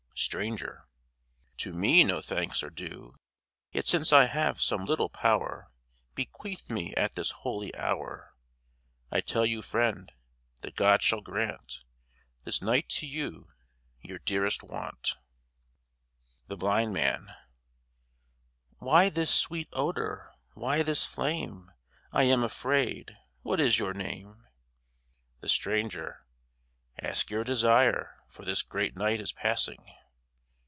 STRANGER To me no thanks are due. Yet since I have some little power Bequeathed me at this holy hour, I tell you, friend, that God shall grant This night to you your dearest want. THE BLIND MAN Why this sweet odour? Why this flame? I am afraid. What is your name? THE STRANGER Ask your desire, for this great night Is passing.